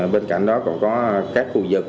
bên cạnh đó còn có các khu vực